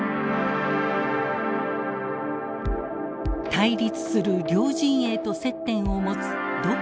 対立する両陣営と接点を持つ独自の外交。